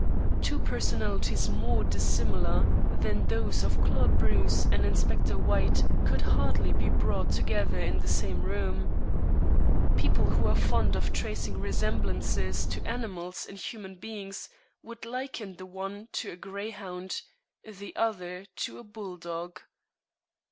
Two personalities more dissimilar than those of Claude Bruce and Inspector White could hardly be brought together in the same room. People who are fond of tracing resemblances to animals in human beings would liken the one to a grey hound, the other to a bull dog.